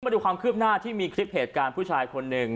มาดูความคืบหน้าที่มีคลิปเหตุการณ์ผู้ชายคนหนึ่ง